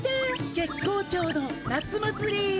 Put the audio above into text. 月光町の夏まつり。